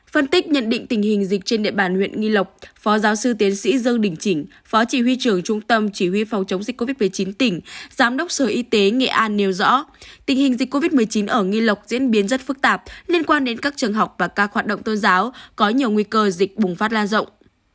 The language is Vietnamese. phân tích nhận định tình hình dịch trên địa bàn huyện nghi lộc phó giáo sư tiến sĩ dương đình chỉnh phó chỉ huy trưởng trung tâm chỉ huy phòng chống dịch covid một mươi chín tỉnh giám đốc sở y tế nghệ an nêu rõ tình hình dịch covid một mươi chín ở nghi lộc diễn biến rất phức tạp liên quan đến các trường học và các hoạt động tôn giáo có nhiều nguy cơ dịch bùng phát lan rộng